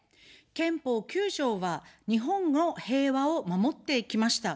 憲法９条は、日本の平和を守ってきました。